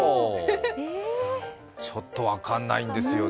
ちょっと分かんないんですよね。